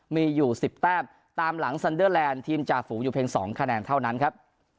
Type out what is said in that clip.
มีอยู่๑๐แต้มตามหลังซันเดอร์แลนด์ทีมจ่าฝูงอยู่เพียง๒คะแนนเท่านั้นครับ